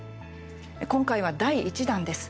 今回は、第１弾です。